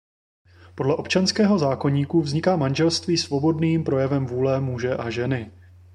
Podle občanského zákoníku vzniká manželství svobodným projevem vůle muže a ženy.